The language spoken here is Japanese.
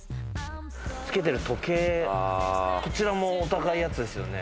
つけてる時計、こちらもお高いやつですよね。